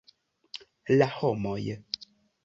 La homoj!..